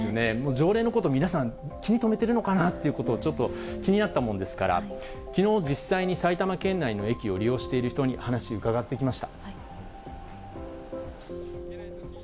条例のこと、皆さん、気に留めてるのかなということをちょっと気になったものですから、きのう、実際に埼玉県内の駅を利用している人に話を伺ってきました。